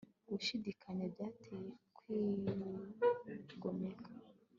Gushidikanya byateye kwigomeka